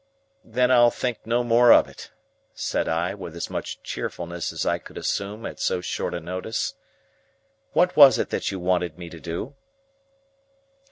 "Then I'll think no more of it," said I with as much cheerfulness as I could assume at so short a notice. "What was it that you wanted me to do?"